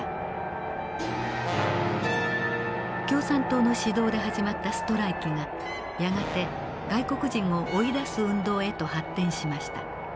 共産党の指導で始まったストライキがやがて外国人を追い出す運動へと発展しました。